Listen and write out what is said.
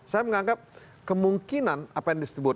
saya menganggap kemungkinan apa yang disebut